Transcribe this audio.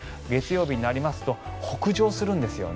月曜日になりますと北上するんです。